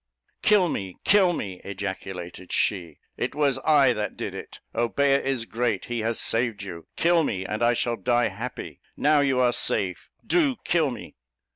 "Kill me! kill me!" ejaculated she; "it was I that did it! Obeah is great he has saved you. Kill me, and I shall die happy, now you are safe do kill me!"